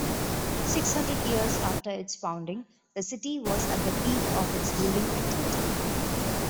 Six hundred years after its founding, the city was at the peak of its building activity.